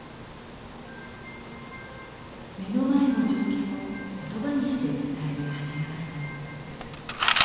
目の前の情景を言葉にして伝える長谷川さん。